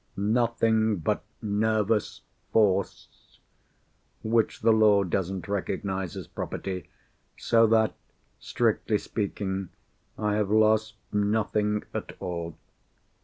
Nothing but Nervous Force—which the law doesn't recognise as property; so that, strictly speaking, I have lost nothing at all.